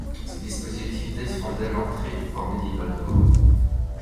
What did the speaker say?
Ce dispositif défendait l'entrée du port médiéval de Caen.